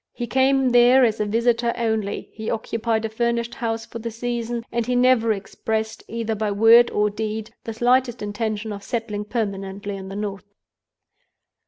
He came there as a visitor only; he occupied a furnished house for the season; and he never expressed, either by word or deed, the slightest intention of settling permanently in the North."